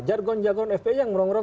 jargon jagoan fpi yang merongrong